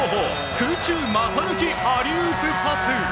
空中股抜きアリウープパス。